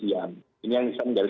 kepada kawan kawan kepulis